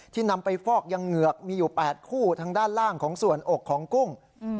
นำไปฟอกยังเหงือกมีอยู่๘คู่ทางด้านล่างของส่วนอกของกุ้ง